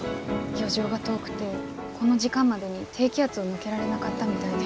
漁場が遠くてこの時間までに低気圧を抜けられなかったみたいで。